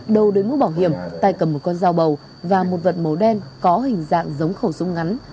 đầu đối mũ bảo hiểm tai cầm một con dao bầu và một vật màu đen có hình dạng giống khẩu súng ngắn